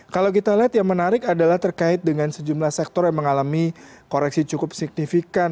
kalau kita lihat yang menarik adalah terkait dengan sejumlah sektor yang mengalami koreksi cukup signifikan